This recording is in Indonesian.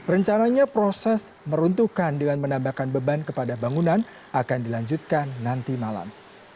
rencananya proses meruntuhkan dengan menambahkan beban kepada bangunan akan dilanjutkan nanti malam